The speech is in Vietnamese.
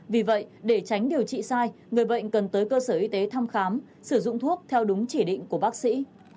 vì vậy để tránh điều trị sai người bệnh cần tới cơ sở y tế thăm khám sử dụng thuốc theo đúng chỉ định của bác sĩ